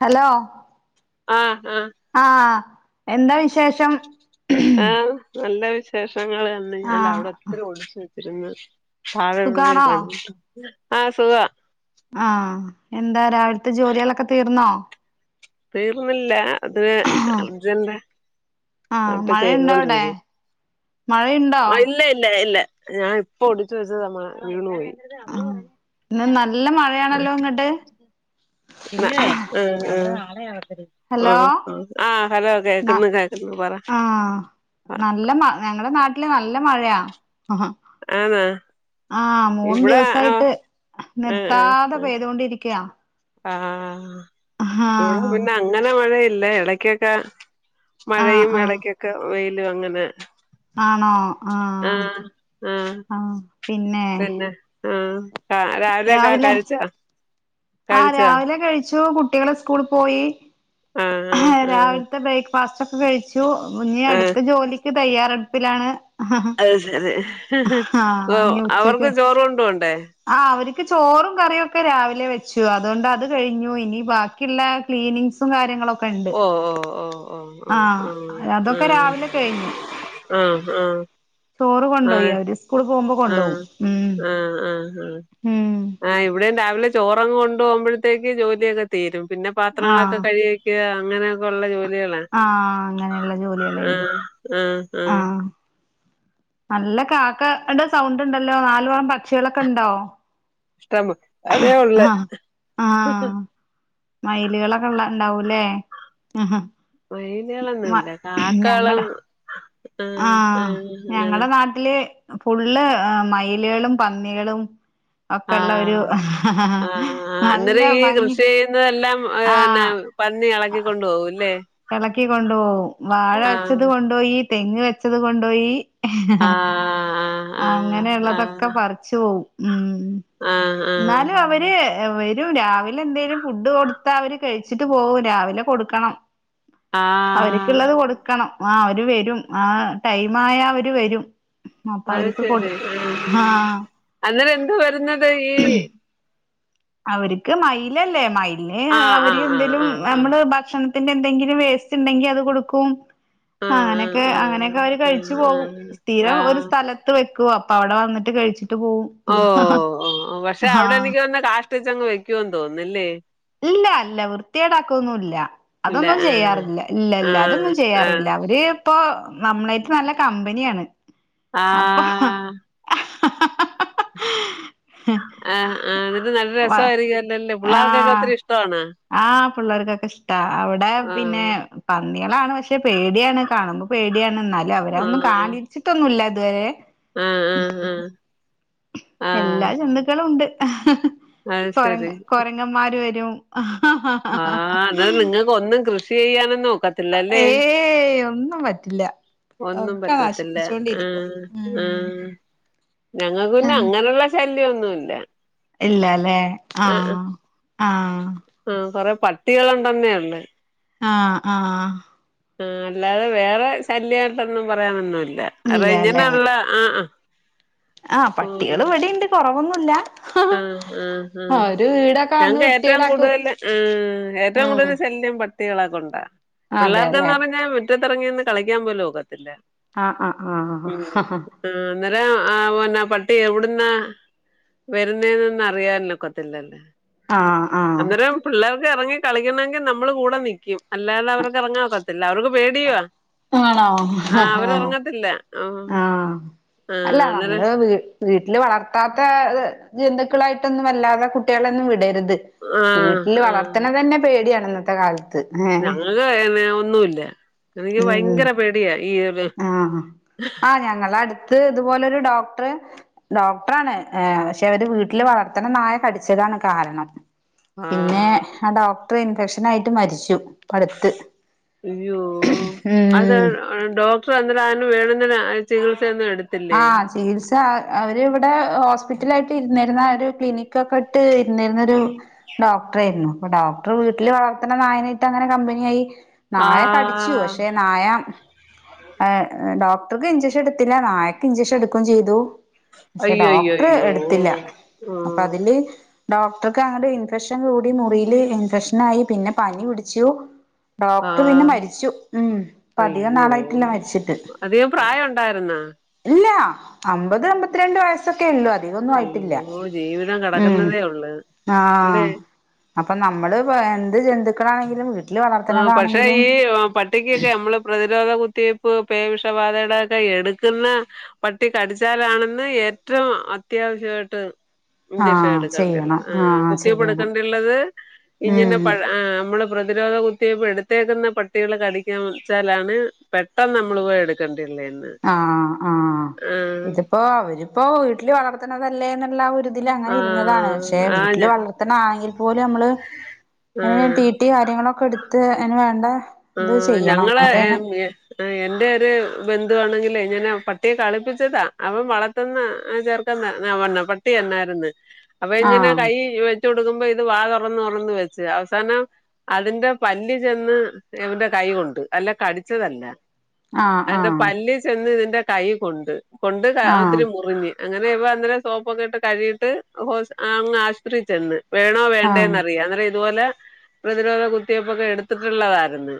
Hello ആഹ് ആഹ് ആഹ്എന്താ വിശ് ആ നല്ല വിശേഷങ്ങള് തന്നെ അല്ല ആഹ് അവിടോത്തിരി ഒഴിച്ച് വെ ഇരുന്ന് താഴെയുള്ളൊരു സുഖാണോ കാണും ആഹ് സുഖവാ ആഹ് എന്താ രാവിൽത്തെ ജോലികളൊക്കെ തീർന്നോ? തീർന്നില്ല അത് അർജന്റ ആഹ് ആയിട്ട് മഴയുണ്ടോ അവിടെ ചെയ്തൊണ്ടിരിക്കണ് മഴയുണ്ടോ ഓ ഇല്ല ഇല്ല ഇല്ല ഞാൻ ഇപ്പോ ഒടിച്ച് വെച്ചതാമ്മ വീണു പോയി ആഹ് ഇന്ന് നല്ല മഴയാണല്ലോ ഇങ്ങ്ട്ട് നാ പിന്നെ ആഹ് ആഹ് എന്നാ നാളെ ആവട്ടടി ഹലോ ആഹ് ആഹ് ഹലോ ന കേക്ക്ന്ന് കേക്കുന്ന് പറ ആഹ് നല്ല മ ഞങ്ങടെ നാട്ടില് നല്ല മഴയാ ആഹ് ആന്നാ ആഹ് മൂന്ന് ഇവിടെ ആഹ് ദിവസായിട്ട് ആഹ് നിർത്താതെ ആഹ് പെയ്തോണ്ടിരിക്യാ ആഹ് ഇവടെ പിന്നെ അങ്ങനെ മഴയില്ല എടക്കൊക്കെ ആഹ് മഴയും ആഹ് എടയ്ക്കൊക്കെ വെയിലും അങ്ങനെ ആണോ ആഹ് ആഹ് പിന്നെ ആഹ് കാ രാവിലോക്കെ കയിച്ചോ? ആ രാവിലെ കഴിച്ചു കുട്ടികള് സ്കൂള് പോയി ആഹ് രാവിൽത്തെ ബ്രേക്ക്ഫാസ്റ്റ് ഒക്കെ കഴിച്ചു ഇനി ആഹ് അടുത്ത ജോലിക്ക് തയ്യാറെടുപ്പിലാണ് ആഹ് അത് ശരി അപ്പോ ഇനി ഉച്ചക്ക് അവർക്ക് ചോറ് കൊണ്ടുപോണ്ടെ ആഹ് അവര്ക്ക് ചോറും കറിയോക്കെ രാവിലെ വെച്ചു അതുകൊണ്ട് അത് കഴിഞ്ഞു ഇനി ബ ക്കിള്ള ക്ലീനിങ്ങ്സും കാര്യങ്ങളൊ ഓ ഓ ഓ ഓ ആഹ് അതൊക്കെ രാവിലെ കയിഞ്ഞു ഉം ഉം കൊണ്ടോയി ആഹ് അവര് സ്കൂള് പോകുമ്പോ കൊണ്ടോവും ആഹ് ഉം ആഹ് ആഹ് ആഹ് ഉം ആഹ് ഇവടെയും രാവിലെ ചോറങ്ങ് കൊണ്ട് പോമ്പഴത്തേക്ക് ജോലിയൊക്കെ തീരും പിന്നെ പാത്രങ്ങളൊക്കെ ആഹ് കയി ക്ക അങ്ങനെക്കെ ഒള്ള ജോലികളാ ആഹ് അങ്ങനെയോള്ള ജോലികളെ ഇള്ളൂ ആഹ് ആഹ് ആഹ് ആഹ് നല്ല കാക്ക ടെ സൗണ്ട് ഉണ്ടല്ലോ നാലുപൊറം പക്ഷികളൊക്കെ ഇണ്ടോ ഇഷ്ടം അതെ ഒള്ള് മയില്കളൊക്കെ ഒള്ള ഇണ്ടാവൂല്ലേ മയില് കളൊന്നുല്ല കാക്കകളും ഞങ്ങടെ ഉം ഉം ഇങ്ങനെ ല് ഫുള്ള് മയിലെളും പന്നികളും ഒക്കെള്ള ഒരു ആഹ് ആ നല്ല അന്നേരം ഈ ഭംഗി കൃഷിയെ ന്നതെല്ലാം ഏ പിന്നെ ആഹ് പന്നി എളക്കിക്കൊണ്ടു പോകും അല്ലേ എളക്കി കൊണ്ടൊവും വാഴ വെച്ചത് കൊണ്ടൊയി തെങ്ങ് വെച്ചത് കൊണ്ടൊയി ആഹ് ആഹ് അങ്ങനെയുള്ളതൊക്കെ ആഹ് പറച്ച് പോവും ഉം ആഹ് ആഹ് എന്നാലും അ വര് വരും രാവിലെ എന്തേലും ഫുഡ് കൊടുത്താ അവര് കഴിച്ചിട്ട് പോവും രാവിലെ കൊടുക്കണം ആഹ് അവര്ക്കുള്ളത് കൊടുക്കണം ആ അവര് വരും ആ ടൈം ആയാ അവര് വരും അപ്പോ അത് അവര്ക്ക് കൊടു ശരി ആഹ് ആഹ് അന്നേരം എന്ത് വരുന്നത് ഈ അവര്ക്ക് മയിൽ അല്ലേ മയിൽന് ആഹ് അവര് ആഹ് ആഹ് എന്തേലും ആഹ് ആഹ് നമ്മള് ഭക്ഷണ ത്തിന്റെ എന്തെങ്കിലും വേസ്റ്റ് ഇണ്ടെങ്കി അത് കൊടുക്കും ആഹ് ആഹ് അങ്ങനെയൊക്കെ അങ്ങനെയൊക്കെ അവര് ആഹ് കഴിച്ചു ആഹ് പോകും ആഹ് സ്ഥിരം ഒരു ആഹ് സ്ഥല ത്ത് വെക്കും അപ്പോ അവിടെ വന്നിട്ട് കഴിച്ചിട്ട് പോവും ഓ ഓ പക്ഷെ അവിടെ ആഹ് അതികം കാഷ്ടിച്ചങ് വെക്കുവന്ന് തോന്നുന്നേല്ലേ ഇല്ല അല്ല വൃത്തിയേടാക്കൊന്നില്ല ഇല്ല അതൊന്നും ആഹ് ചെയ്യാറില്ല ഇല്ല ഇല്ല അതൊന്നും ചെയ്യാറില്ല ആഹ് ആഹ് അവര് ഇപ്പോ നമ്മളായിട്ട് നല്ല കമ്പനിയാണ് അപ്പോ ആഹ് [unintelligible] ആഹ് ആഹ് എന്നിട്ട് നല്ല രസായിരിക്കും അല്ലല്ലേ പിള്ളേർക്കൊക്കെ ആഹ് ഒത്തിരി ഇഷ്ടണോ ആഹ് പിള്ളേർക്കൊക്കെ ഇഷ്ടാ അവടെ പിന്നെ ആഹ് പന്നിളാണ് പക്ഷെ പേടിയാണ് കാണുമ്പോ പേടിയാണ് എന്നാലും അവരാന്നും ആഹ് കാണി ച്ചിട്ടൊന്നുല്ല ഇതുവരെ ആഹ് ആഹ് ആഹ് എല്ലാ ആഹ് ജന്തുക്കളും ഉണ്ട് അത് കൊര ശരി കൊരങ്ങന്മാര് വരും [unintelligible] ആഹ് ഇതാണ് നിങ്ങ് ഒന്നും കൃഷി ചെയ്യാനോ ഏയ് ഒന്നും പറ്റില്ല ഒന്നും ഒക്കെ പറ്റത്തില്ല നശിപ്പിരിക്കും ആഹ് ഉം ആഹ് ഞങ്ങൾക്ക് പന്നെ അങ്ങനെയുള്ള ശല്യോന്നുല്ല ഇല്ലല്ലേ ആഹ് ആഹ് ആഹ് കൊറെ പട്ടികള് ഉണ്ടന്നെയുള്ളൂ ആഹ് ആഹ് ഹ് അല്ലാതെ വേറെ ശല്യയിട്ടൊന്നും പറയാനൊന്നും ഇല്ല അതെ ഇങ്ങനെ ഒള്ള ആ ഹ് ആ പട്ടികള് ഇവിടെം ഇണ്ട് കൊറവൊന്നുല്ല ആഹ് ആഹ് ആഹ് ഒരു വീടൊക്കെ വന്ന് ഞങ്ങക്ക് ഏറ്റവും വൃത്തിയേടാക്കും കൂടുതല് ആഹ് ഏറ്റവും ഉം കൂടുതല് ശല്യം പ കുട്ടികളെ കൊണ്ട പിള്ളേർക്കെ അതെല്ലേ ന്നു പറഞ്ഞാൽ മുറ്റത്തിറങ്ങി നിന്ന് കളിക്കാൻ പോലും ക്കത്തില്ല ആഹ് ആഹ് ആഹ് ആ അന്നേരം ആ പിന്നെ പട്ടി എവിടുന്നാ വരുന്നേന്നെന്ന് അറിയാനൊക്കത്തില്ലല്ലോ ആഹ് ആഹ് അന്നേരം പിള്ളേർക്ക് എറങ്ങി കളിക്കണെങ്കി നമ്മള് കൂടെ നിക്കും അല്ലാതവർക്ക് എറങ്ങാനൊക്കത്തില്ല അവർക്ക് പേടിയുവാ ആഹ് ആണോ അവരെറങ്ങത്തില്ല ആഹ് അല്ല ആഹ് അന്നേരം നമ്മള് വീട്ട് വീട്ടില് വളർത്താത്ത തെഹ് ജന്തുക്കളായിട്ടൊന്നും വല്ലാതെ കുട്ടികളെ ഒന്നും വിടരുത് ആഹ് വീട്ടിൽ വളർത്തന തന്നെ പേടിയാണ് ഇന്നത്തെ കാലത്ത് ഏഹ് ഞങ്ങക്ക് ഏനെ ഒന്നും ഇല്ല എനിക്ക് ഉം ഭയങ്കര പേടിയാ ഈർ ആഹ് ആഹ് ആ ഞങ്ങളടിത്ത് ഇതുപോലൊരു ഡോക്ടറെ ഡോക്ടറാണ് ഏഹ് പക്ഷെ അവര് വീട്ടില് വളർത്തണ നായ കടിച്ചതാണ് കാരണം ആഹ് പിന്നെ ആ ഡോക്ടറെ ഇൻഫെക്ഷനായിട്ട് മരിച്ചു ഇപ്പ അടുത്ത് അയ്യോ അത് ഡോക്ടറെ അന്നേരം ആതിനു വേണന്നെന ആ ചികിത്സയൊന്നും എടുത്ത് ആഹ് ചികിത്സ അവരിവിടെ ഹോസ്പിറ്റലായിട്ട് ഇരുന്നിരുന്ന ഒരു ക്ലിനിക്കൊക്കെ ഇട്ട് ട്ടിരുന്നിരുന്നൊരു ഡോക്ടറായിരുന്നു അപ്പ ഡോക് ടറു വീട്ടില് വളർത്തണ നായനേയിട്ടങ്ങനെ കമ്പിനി ആയി നായ കടിച്ചു ആഹ് പക്ഷെ നായ ഏഹ് ഡോക്ടർക്ക് ഇൻജെക്ഷൻ എടുത്തില്ല നായക്ക് ഇൻജെക്ഷൻ എടുക്കേം ചെയ്തു പക്ഷെ ഡോക്ടറെ അയ്യോയ്യോയ്യോ എടുത്തില്ല അപ്പ ആഹ് അതില് ഡോക്ടർക്ക് അങ്ങട്ട് ഇൻഫെക്ഷൻ കൂടി മുറിലെ ഇൻഫെക്ഷൻ ആയി പിന്നെ പനി പിടിച്ചു ഡോക്ടറു പിന്നെ ആഹ് മരിച്ചു ഉം ഇപ്പ അധികം അയ്യോ നാളായിട്ടില്ല മരിച്ചിട്ട് അധികം പ്രായം ഒണ്ടാരുന്നോ ഇല്ല അമ്പത് അമ്പത്തിരണ്ട് വയസ്സൊക്കേ ഉള്ളൂ അത് അധികൊന്നും ആയിട്ടില്ല അയ്യോ ജീവിതം ഉം കിടക്കുന്നതേ ഉള്ളൂ ആഹ് അല്ലേ അപ്പം നമ്മള് എന്തു ജന്തുക്കണാണെങ്കിലും വീട്ട് ആഹ് പക്ഷെ ഈ ആഹ് പട്ടിക്കൊക്കെ അമ്മളു പ്രതിരോധ കുത്തിവയ്പ്പ് പേ വിഷബാധേടെ ഒക്കെ എടുക്കുന്ന പട്ടി കടിച്ചാലാണെന്ന് ഏറ്റവും അത്യാവശ്യം ആയിട്ട് ഇൻജെക്ഷൻ ആഹ് ചെയ്യണം എടുക്കണ്ടിള്ളത് ആഹ് കുത്തിവയ്പ്പ് ചെയ്യണം എടുക്കണ്ടുള്ളത് ഇങ്ങനെ ഉം പഴ ആഹ് നമ്മള് പ്രതിരോധ കുത്ത് കുത്തിവയ്പ്പ് എടുത്തേക്കുന്ന പട്ടികള് കടിക്കാൻ വെച്ചാലാണ് പെട്ടെന്ന് നമ്മളു പോയി എടുക്കണ്ടുള്ളേനെ ആഹ് ആഹ് ഇതിപ്പോ അവരിപ്പോ വീട്ടിലു വളർത്തണതല്ലേന്നുള്ള ഒരിത് ഇതിൽ അങ്ങനിരുന്നതാണ് ആഹ് പക്ഷെ ആഹ് ഞ വീട്ടില് വളർത്തണ ആണെങ്കിൽ പോലും അമ്മള് അങ്ങെ ആഹ് റ്റി ട്ടി കാര്യങ്ങളൊക്കെ എടുത്ത് അയിനു വേണ്ട ഇത് ആഹ് ചെയ്യണം ഞങ്ങളെ ഏഹ് എന്നാലാണ് ഞ്ഞെ ആഹ് എന്റെ ഒരു ബന്ധുവാണെങ്കിലേ ഞാനാ പട്ടിയെ കളിപ്പിച്ചതാ അവൻ വളത് ത്തുന്ന ആ ചെറുക്കൻ നവണ്ണ പട്ടി എന്നാരുന്നു അപ്പ ഇങ്ങനെ ആഹ് കൈ വെച്ച് ട്ടു കൊടുക്കുമ്പം ഇത് വാ തുറന്ന് തുറന്ന് വെച്ച് അവസാനം അതിന്റെ പല്ലു ചെന്ന് എവന്റെ കൈ കൊണ്ടു അല്ലാ കടിച്ചതല്ല ആഹ് അതിന്റെ ആഹ് പല്ല് ചെന്ന് ഇതിന്റെ കൈ കൊണ്ട് കൊണ്ട് ആഹ് ഒത്തിരി മുറിഞ്ഞ് അങ്ങനെ ഇവ അന്നേരം സോപ്പൊക്കെ ഇട്ട് കഴീട്ട് ഹോസ് അങ്ങ് ആശൂത്രി ചെന്ന് വേണോ വേണ്ടയോന്ന് ആഹ് അറിയാ അന്നേരം ഇതുപോലെ പ്രതിരോധ കുത്തിവയ്പ്പൊക്കെ എടുത്തിട്ടുള്ളതാരുന്നു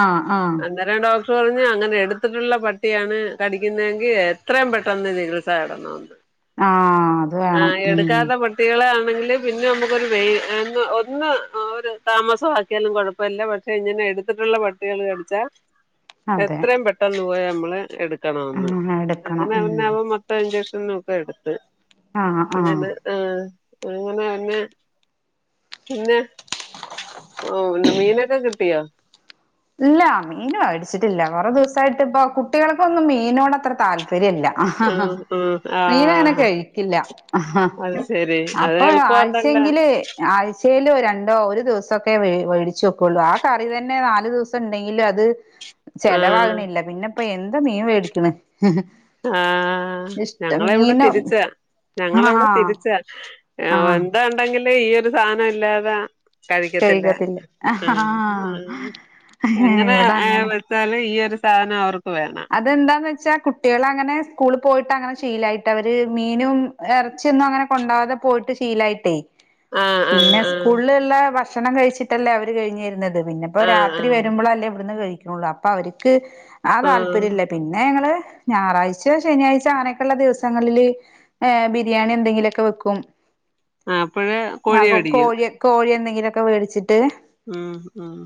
ആഹ് ആഹ് അന്നേരം ഡോക്ടറു പറഞ്ഞു അങ്ങനെ എടുത്തിട്ടുള്ള പട്ടിയാണ് കടിക്കുന്നതെങ്കിൽ എത്രയും പെട്ടെന്ന് ചികിത്സ ത്സ തേടണെന്ന് ആഹ് അത് വേണം ആഹ് ഉം എടുക്കാത്ത പട്ട ട്ടികളെ ആണെങ്കിലു പിന്നെ നമുക്കൊരു വെയ് അങ്ങ് ഒന്ന് ഒരു താമസമാക്കിയാലും കുഴപ്പമില്ല പട്ട് ഇങ്ങനെ എടുത്തിട്ടുള്ള പട്ടികളു കടിച്ചാ അതെ എത്രയും പെട്ടെന്ന് പൊയി നമ്മള് എടുക്ക്‌ ക്കണം എന്ന് ആഹ് എടുക്കണം അങ്ങനെ ഉം അവനവൻ മൊത്തം ഇൻജെക്ഷനും ഒക്കെ എടുത്തു ആഹ് ആഹ് അങ്ങനെ ആഹ് അങ്ങനെ അന്നെ പിന്നെ ഓഹ് ഇന്ന് മീനൊക്കെ കിട്ടിയാ ഇല്ല മീൻ വേടിച്ചിട്ടില്ല കൊറ ദിവസായിട്ട് ഇപ്പ കുട്ടികൾക്കൊന്നും മീനോട് അത്ര താല്പര്യല്ല ആ ആ മീൻ അങ്ങനെ ആ കഴിക്കില്ല അത് ശരി അത് അപ്പൊ ക്ഷേ എളുപ്പണ്ടല്ലോ എങ്കിൽ ആഴ്ചയിൽ രണ്ടോ ഒരു ദിവസൊക്കെ വേ വേടിച്ച് വെക്കുള്ളൂ ആ കറി തന്നെ നാല് ദിവ സൊണ്ടെങ്കിൽ അത് ആ ചെലവാകണില്ല പിന്നെ ഇപ്പൊ എന്ത് മീൻ വേടിക്കണ് ആഹ് ഞങ്ങളെ ഇവിടെ തിരിച്ച ഞങ്ങളെ ഇവിടെ ആഹ് തിരിച്ച ആഹ് എന്തോ ഉണ്ടെങ്കിലും ഈ ഒരു സാധനം ഇല്ലാതെ കഴിക്കത്തില്ലാ ആഹ് എങ്ങനെ ഇവിടെ അങ്ങനെ വെ ച്ചാലും ഈ ഒരു സാധനം അവർക്ക് വേണം അതെന്താന്ന് വെച്ചാ കുട്ടികള് അങ്ങനെ സ്കൂൾ പോയിട്ട് അങ്ങനെ ശീലായിട്ട് അവര് മീനും ഇറച്ചിയൊന്നും അങ്ങനെ കൊണ്ടാവാതെ പോയിട്ട് ശീലായിട്ടേ ആ ആ പിന്നെ ആ സ്കൂളിലുള്ള ഭക്ഷണം കഴിച്ചിട്ടല്ലേ അവര് കഴിഞ്ഞിരുന്നത് പിന്നെ അപ്പൊ ആ രാത്രി വരുമ്പോഴല്ലേ ഇവിടുന്ന് കഴിക്കുള്ളൂ അപ്പൊ അവർക്ക് ആഹ് ആ താല് ആ പിന്നെ ഞങ്ങള് ഞായറാഴ്ചയൊ ശനിയാഴ്ചയൊ അങ്ങനെക്കുള്ള ദിവസങ്ങളില് ഏഹ് ബിരിയാണി എന്തെങ്കിലുവൊക്കെ വെക്കും അപ്പഴ് കോഴി ആഹ് വേടിക്കും കോഴി കോഴി എന്തെങ്കിലുവൊക്കെ വേടിച്ചിട്ട് ഉം ഉം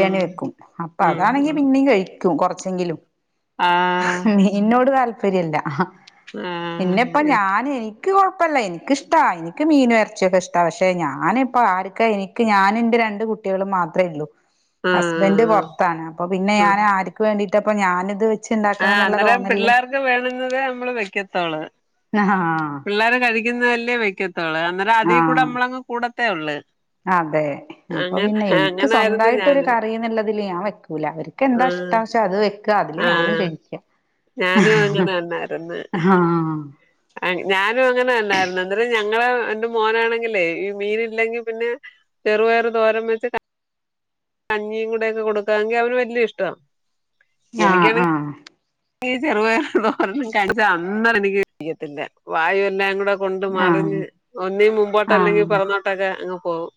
ഉം വെക്കും അപ്പൊ ഉം അതാണെങ്കി ഉം പിന്നെയും കഴിക്കും കുറച്ചെങ്കിലും ആഹ് മീനോട് താല്പര്യം ഇല്ല ആഹ് പിന്നിപ്പ ആഹ് ഞാന് എനി നിക്ക് കുഴപ്പോല്ല എനിക്കിഷ്ട എനിക്ക് മീൻ ഇറച്ചിയൊക്കെ ഇഷ്ട പക്ഷെ ഞാനിപ്പ ആർക്ക എനി ക്ക്‌ ഞാന് എന്റെ രണ്ട് കുട്ടികളും മാത്രേ ഉള്ളൂ ആഹ് ഹസ്ബൻഡ് പുറത്താണ് അപ്പൊ പിന്നെ ഞാൻ ആർക്ക് വേണ്ടിട്ടപ്പ ഞാനിത് വെച്ചുണ്ട ആഹ് അന്നേരം പിള്ളേർക്ക് വേണുന്നതേ നമ്മള് വെക്കത്തോളു ആഹ് പിള്ളേര് കഴി ക്കുന്ന അല്ലെ വെക്കത്തൊള്ളു അന്നേരം അതി കൂടെ ആഹ് നമ്മളങ് കൂടത്തേ ഉള്ളൂ അതെ അപ്പൊ പിന്നെ എനിക്ക് അങ്ങനായിരുന്നു സ്വന്തായിട്ടൊരു ഞാനും കറിന്നുള്ളതിൽ ഞാൻ വെക്കൂല അവർക്കെന്താ ഇഷ് ആഹ് ട്ടന്ന് വെച്ച അത് വെക്ക അതില് ഞാനും കഴിക്കും ആഹ് ഞാനും അങ്ങനെ തന്നായിരുന്നു ആഹ് ഞാനും അങ്ങനെ തന്നായിരുന്നു അന്നരം ഞങ്ങൾ എന്റെ മോനാണെങ്കിലേ ഈ മീന് ഇല്ലെങ്കി പിന്നെ ചെറുപയർ തോരൻ വെച്ചിട്ട് കഞ്ഞിയും കൂടെ ഒക്കെ കൊടുക്കാങ്കിൽ അവന് വല്യ ഇഷ്ടവാ ആഹ് എനിക്കാണെ ആഹ് ങ്കി ചെറുപയർ തോരനും കഴിച്ചാ അന്ന് എനിക്ക് ചെയ്യത്തില്ല വായു എല്ലാം കൂടെ കൊണ്ട് ആഹ് മറിഞ്ഞ് ഒന്നി മുമ്പോട്ട് അല്ലെങ്കി ആഹ് പിറമോ ട്ടൊക്കെ അങ് പോവും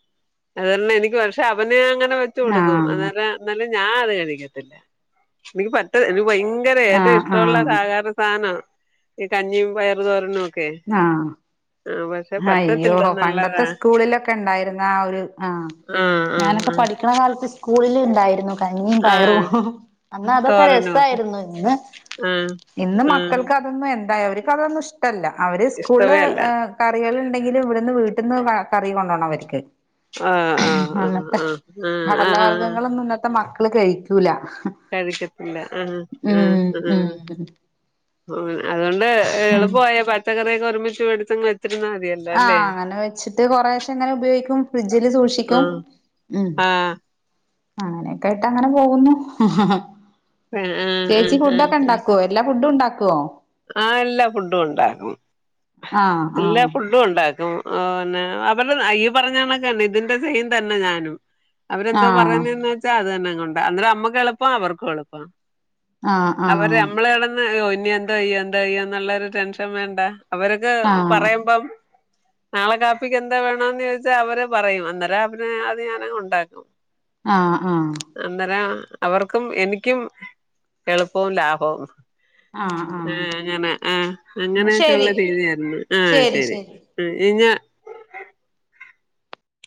അത് കാരണം എനിക്ക് പക്ഷെ അവന് അങ്ങനെ വെച്ചു കൊടുക്കും ആഹ് അന്നരം എന്നാലും ഞാൻ അത് കഴിക്കത്തില്ല എനിക്ക് പറ്റ എനിക്ക് ഭയ ങ്കര ഏറ്റവും ആഹ് ഇഷ്ടവുള്ള ആഹ് ആഹാര സാധന ഈ കഞ്ഞിയും പയറു തോരനും [unintelligible] ഹയ്യോ പണ്ടത്തെ നല്ലതാ സ്കൂളിലൊക്കെ ഉണ്ടായിരുന്ന ആഹ് ഒരു ആഹ് ആഹ് ആഹ് ഞാനൊക്കെ ആഹ് പഠിക്കു ന്ന കാലത്ത് സ്കൂളിൽ ഉണ്ടായിരുന്നു കഞ്ഞിയും പയറും ആഹ് അന്ന് അതൊക്കെ രസായിരുന്നു ഇന്ന് ഉം ഇന്ന് ഉം മക്കൾക്ക് അതൊന്നും എന്തായ് അവർക്കതൊന്നും ഇഷ്ടല്ല അവര് സ്കൂളില് ഇഷ്ടവേ അല്ല കറികൾ ഉണ്ടെങ്കിലും ഇവിടുന്ന് വീട്ടിന്ന് കറി കൊണ്ട് പോണം അവർക്ക് ആഹ് ആഹ് ആഹ് ആഹ് ആഹ് കടല ആഹ് ആഹ് വർഗ്ഗങ്ങളൊന്നും ഇന്നത്തെ മക്കള് കഴിക്കൂല കഴിക്കത്തില്ല ആഹ് ആഹ് ഉം ആഹ് ഉം അതുകൊണ്ട് എളുപ്പവായി പച്ചക്കറിയൊക്കെ ഒരുമിച്ച് വെടിച്ചങ് വെച്ചിരുന്നാ മതിയാ ആഹ് അങ്ങനെ വെച്ചിട്ട് കൊറെശെ ഇങ്ങനെ ഉപയോഗിക്കും ഫ്രിഡ്ജിൽ സൂക്ഷിക്കും ആഹ് ഉം ആഹ് അങ്ങനെയൊക്കെ ആയിട്ട് അങ്ങനെ പോകുന്നു ആഹ് ചേച്ചി ആഹ് ഫുഡ് ആഹ് ഒക്കെ ആഹ് ഉണ്ടാക്കോ എല്ലാ ഫുഡും ഉണ്ടാക്കോ ആഹ് എല്ലാ ഫുഡും ഉണ്ടാക്കും ആഹ് എല്ലാ ആഹ് ഫു ഡും ഉണ്ടാക്കും ഓന്നെ അവര് അഹ് ഈ പറഞ്ഞണക്കത്തന്നെ ഇതിന്റെ സെയിം തന്നെ ഞാനും അവരെന്തുവാ ആഹ് പറയുന്നെന്ന് വെച്ചാ വെച്ചാൽ അത് തന്നെ അങ്ങു ഉണ്ട അന്നേരം നമ്മക്ക് എളുപ്പം അവർക്കു എളുപ്പം ആഹ് അവര് നമ്മള് കടന്ന് ഓ ഇനി എന്തോയ്യോ എന്തോയ്യോ നുള്ളാര് ടെൻഷൻ വേണ്ട അവർക്ക് ആഹ് ആഹ് പറയുമ്പം നാളെ കാപ്പിക്ക് എന്താ വേണന്ന് ചോദിച്ചാൽ അവര് പറയും അന്നേരം അവര് അത് ഞാനങ്ങു ഉണ്ടാക്കും ആഹ് ആഹ് അന്നേരം അവർക്കും എനിക്കും എളുപ്പവും ലാഭവും ആഹ് ആഹ് ഏഹ് അങ്ങനെ ആഹ് എന്നാ അങ്ങനെയൊക്കെ ഉള്ള ശരി രീതിയായിരുന്നു ആഹ് ശരി ആഹ്